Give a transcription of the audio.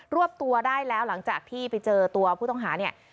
วบตัวได้แล้วหลังจากที่ไปเจอตัวผู้ต้องหาเนี่ย